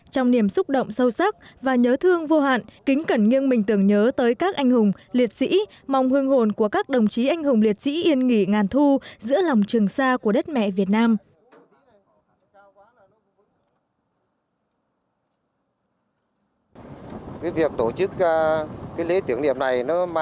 trong niềm xúc động sâu sắc và nhớ thương vô hạn kính cẩn nghiêng mình tưởng nhớ tới các anh hùng liệt sĩ mong hương hồn của các đồng chí anh hùng liệt sĩ yên nghỉ ngàn thu giữa lòng trường xa của đất mẹ việt nam